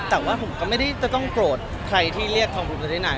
แต่ว่าผมก็ไม่ได้ต้องโกรธใครที่เรียกธรรมรุมเตอรินาย